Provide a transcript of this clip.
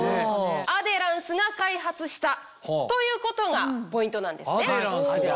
アデランスが開発したということがポイントなんですね。